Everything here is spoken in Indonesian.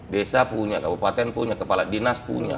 desa punya kabupaten punya kepala dinas punya